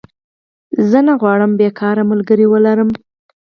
زه نه غواړم بيکاره ملګری ولرم